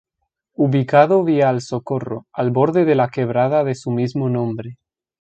Ubicado vía al Socorro, al borde de la quebrada de su mismo nombre.